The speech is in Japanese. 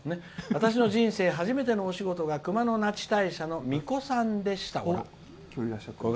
「私の人生初めてのお仕事が熊野那智大社のみこさんでした。